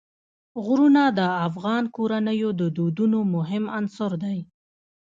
غرونه د افغان کورنیو د دودونو مهم عنصر دی.